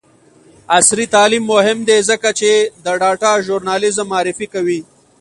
عصري تعلیم مهم دی ځکه چې د ډاټا ژورنالیزم معرفي کوي.